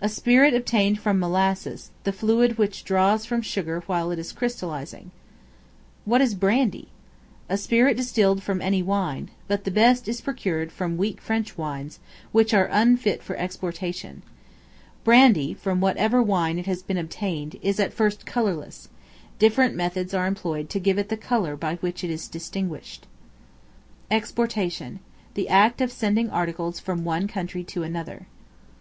A spirit obtained from molasses, the fluid which drains from sugar while it is crystallizing. What is Brandy? A spirit distilled from any wine; but the best is procured from weak French wines, which are unfit for exportation. Brandy, from whatever wine it has been obtained, is at first colorless; different methods are employed to give it the color by which it is distinguished. Exportation, the act of sending articles from one country to another.